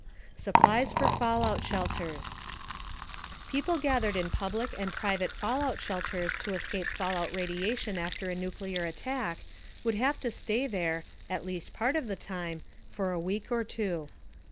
SUPPLIES FOR FALLOUT SHELTERS People gathered in public and private fallout shelters to escape fallout radiation after a nuclear attack would have to stay there at least part of the time for a week or two.